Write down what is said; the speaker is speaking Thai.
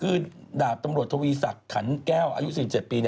คือดาบตำรวจทวีศักดิ์ขันแก้วอายุ๔๗ปี